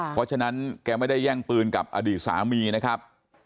เพราะฉะนั้นแกไม่ได้แย่งปืนกับอดีตสามีนะครับ